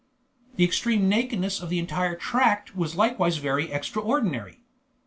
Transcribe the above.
The extreme nakedness of the entire tract was likewise very extraordinary.